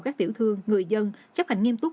các tiểu thương người dân chấp hành nghiêm túc